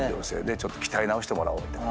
ちょっと鍛え直してもらおう。